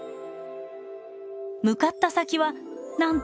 向かった先はなんと海野さん。